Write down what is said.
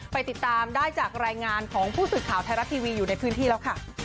ไปติดตามได้จากรายงานของผู้สื่อข่าวไทยรัฐทีวีอยู่ในพื้นที่แล้วค่ะ